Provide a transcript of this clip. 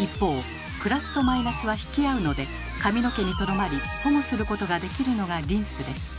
一方プラスとマイナスは引き合うので髪の毛にとどまり保護することができるのがリンスです。